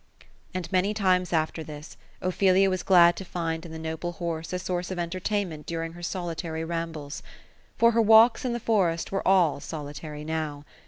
And many times after this, Ophelia was glad to find in the noble horse a source of entertainment during her solitary rambles. For her walks in the forest were all solitary now.